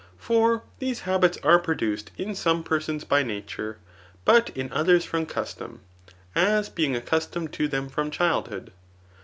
For these habits are produced in some per sons by nature, but in others from custom ; as being ac customed to them from childhood.